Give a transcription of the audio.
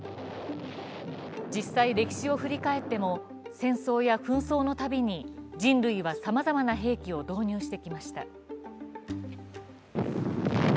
実際、歴史を振り返っても、戦争や紛争のたびに人類はさまざまな兵器を導入してきました。